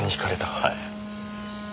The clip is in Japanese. はい。